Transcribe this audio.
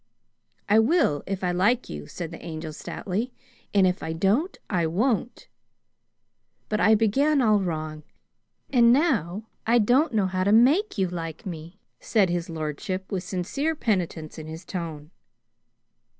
"I will if I like you," said the Angel stoutly, "and if I don't, I won't!" "But I began all wrong, and now I don't know how to make you like me," said his lordship, with sincere penitence in his tone.